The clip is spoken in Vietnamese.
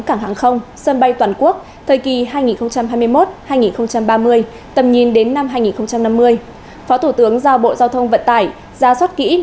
cảng hàng không sân bay toàn quốc thời kỳ hai nghìn hai mươi một hai nghìn ba mươi tầm nhìn đến năm hai nghìn năm mươi phó thủ tướng giao bộ giao thông vận tải ra soát kỹ